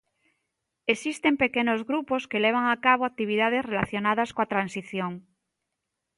Existen pequenos grupos que levan a cabo actividades relacionadas coa transición.